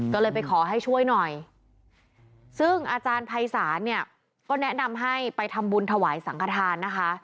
ก็เลยไปขอให้ช่วยหน่อยซึ่งอาจารย์ภัยศาลเนี่ยก็แนะนำให้ไปทำบุญถวายสังขทานนะคะ